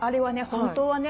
本当はね